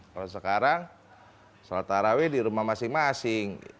kalau sekarang sholat taraweh di rumah masing masing